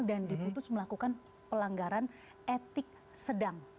dan diputus melakukan pelanggaran etik sedang